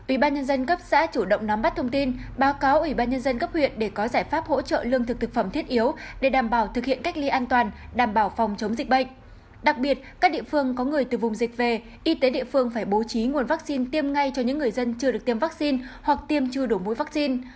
y tế địa phương phải bố trí nguồn vaccine tiêm ngay cho những người dân chưa được tiêm vaccine hoặc tiêm chưa đủ mũi vaccine